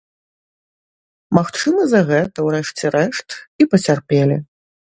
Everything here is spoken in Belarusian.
Магчыма за гэта, у рэшце рэшт, і пацярпелі.